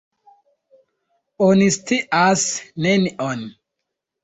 Oni scias nenion.